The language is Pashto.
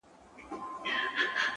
ژوند مي د هوا په لاس کي وليدی!